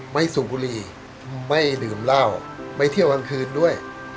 สูบบุหรี่ไม่ดื่มเหล้าไม่เที่ยวกลางคืนด้วย